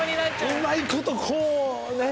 うまいことこうね。